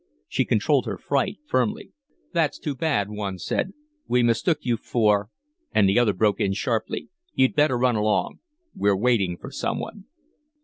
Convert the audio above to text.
She controlled her fright firmly. "That's too bad," one said. "We mistook you for " And the other broke in, sharply, "You'd better run along. We're waiting for some one."